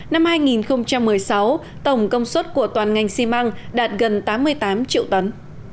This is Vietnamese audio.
năm hai nghìn một mươi sáu tổng công suất của toàn ngành xi măng đạt gần tám mươi tám triệu tấn